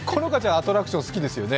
アトラクション好きですよね